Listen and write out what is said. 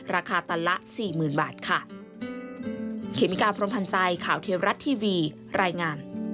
ราคาตลาด๔๐๐๐๐บาทค่ะ